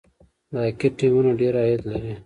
د هاکي ټیمونه ډیر عاید لري.